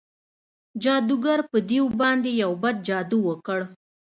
جادوګر په دیو باندې یو بد جادو وکړ.